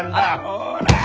ほら！